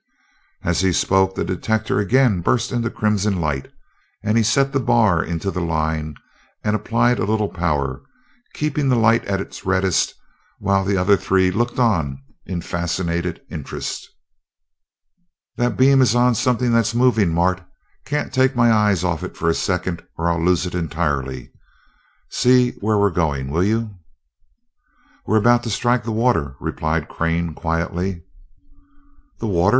As he spoke the detector again burst into crimson light, and he set the bar into the line and applied a little power, keeping the light at its reddest while the other three looked on in fascinated interest. "This beam is on something that's moving, Mart can't take my eyes off it for a second or I'll lose it entirely. See where we're going, will you?" "We are about to strike the water," replied Crane quietly. "The water!"